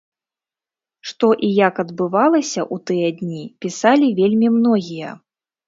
Што і як адбывалася ў тыя дні, пісалі вельмі многія.